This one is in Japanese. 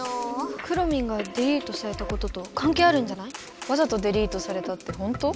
くろミンがデリートされたこととかんけいあるんじゃない？わざとデリートされたってほんと？